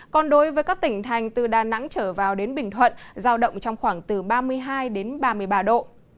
còn đối với các tỉnh thành từ đà nẵng trở vào đến bình thuận giao động trong khoảng từ ba mươi hai đến ba mươi ba độ